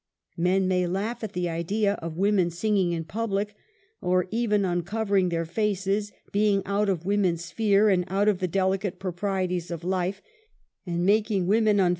Men may laugh at the idea of women singing in public, or even uncovering their faces being ^'out of woman's sphere, and out of the delicate proprieties of life, and making women 14 UNMASKED.